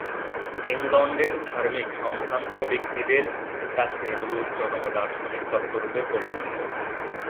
ইংলণ্ডের ধার্মিক সম্ভ্রান্ত ব্যক্তিদের কাছে এগুলি উচ্চতম দার্শনিক তত্ত্বরূপে পরিগণিত।